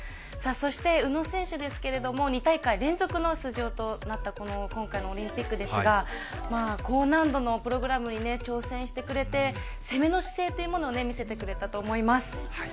そして、宇野選手ですけれども、２大会連続の出場となった今回のオリンピックですが高難度のプログラムに挑戦してくれて攻めの姿勢というものを見せてくれたと思います。